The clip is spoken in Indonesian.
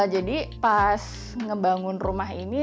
jadi pas ngebangun rumah ini